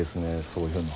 そういうの。